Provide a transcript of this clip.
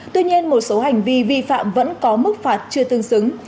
tuy nhiên một số hành vi vi phạm vẫn có mức phạt chưa tương xứng